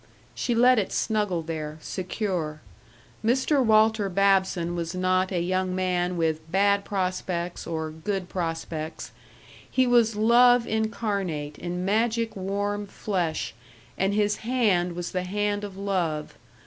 She let it snuggle there, secure.... Mr. Walter Babson was not a young man with "bad prospects," or "good prospects"; he was love incarnate in magic warm flesh, and his hand was the hand of love.